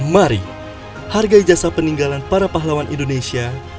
mari hargai jasa peninggalan para pahlawan indonesia